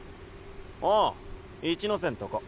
ああ一ノ瀬んとこ。